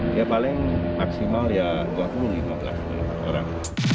dia paling maksimal ya dua puluh lima orang